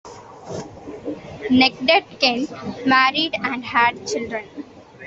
Necdet Kent married and had children.